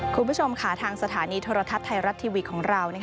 คุณผู้ชมค่ะทางสถานีโทรทัศน์ไทยรัฐทีวีของเรา